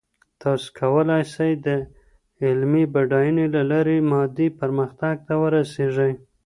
تاسو کولای سئ د علمي بډاينې له لاري مادي پرمختګ ته ورسېږئ.